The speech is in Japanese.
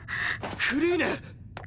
クリーネ！